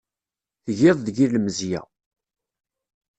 Tgiḍ deg-i lemzeyya.